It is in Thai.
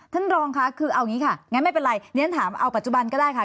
ท่านรองค่ะคือเอางี้ค่ะงั้นไม่เป็นไรเรียนถามเอาปัจจุบันก็ได้ค่ะ